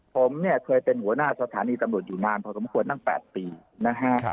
ผมเนี่ยเคยเป็นหัวหน้าสถานีตำรวจอยู่นานพอสมควรตั้ง๘ปีนะฮะ